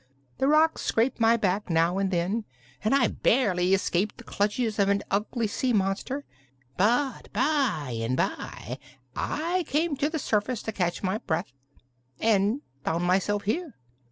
The rocks scraped my back, now and then, and I barely escaped the clutches of an ugly sea monster; but by and by I came to the surface to catch my breath, and found myself here.